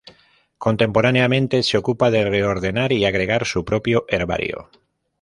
Contemporáneamente se ocupa de reordenar y agregar su propio herbario.